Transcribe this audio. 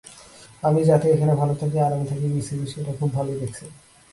আমি যাতে এখানে ভালো থাকি, আরামে থাকি, বিসিবি সেটা খুব ভালোই দেখছে।